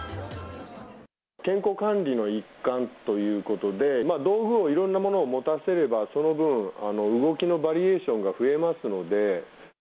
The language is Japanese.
健康管理の一環ということで、道具をいろんなものを持たせれば、その分、動きのバリエーションが増えますので。